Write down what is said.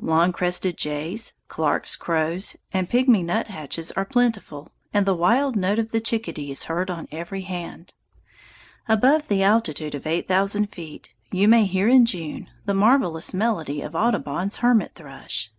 Long crested jays, Clarke's crows, and pigmy nuthatches are plentiful, and the wild note of the chickadee is heard on every hand. Above the altitude of eight thousand feet you may hear, in June, the marvelous melody of Audubon's hermit thrush.